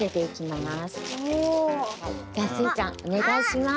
じゃスイちゃんおねがいします。